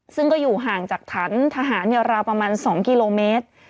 ซึ่งก็อยู่ห่างจากฐานทหารราวประมาณ๒กิโลเมตร